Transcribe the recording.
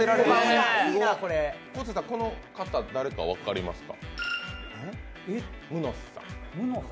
昴生さん、この方、誰か分かりますか？